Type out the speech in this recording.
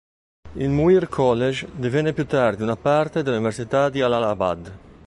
Il Muir College divenne più tardi una parte dell'Università di Allahabad.